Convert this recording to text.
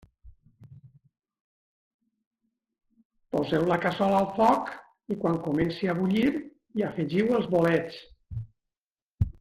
Poseu la cassola al foc i quan comenci a bullir hi afegiu els bolets.